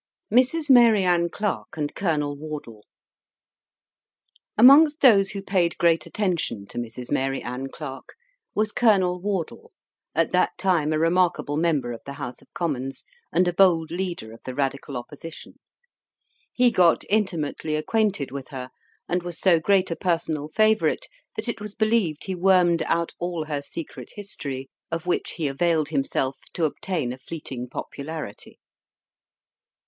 MRS. MARY ANNE CLARKE AND COL. WARDLE Amongst those who paid great attention to Mrs. Mary Anne Clarke was Colonel Wardle, at that time a remarkable member of the House of Commons, and a bold leader of the Radical Opposition. He got intimately acquainted with her, and was so great a personal favourite that it was believed he wormed out all her secret history, of which he availed himself to obtain a fleeting popularity.